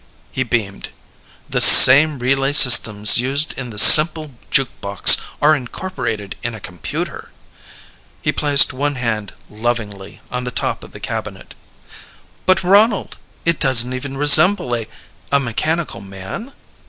He beamed. "The same relay systems used in the simple juke box are incorporated in a computer." He placed one hand lovingly on the top of the cabinet. "But, Ronald it doesn't even resemble a a mechanical man?"